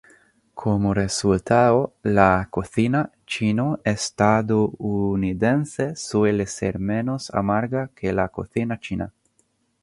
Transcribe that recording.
Como resultado, la cocina chino-estadounidense suele ser menos amarga que la cocina china.